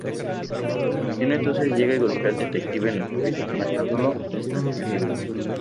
Su vecino entonces llega y golpea al detective en la cabeza, matándolo instantáneamente.